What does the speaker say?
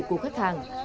của khách hàng